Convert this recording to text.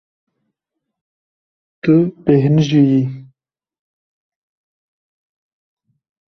Tu bêhnijiyî.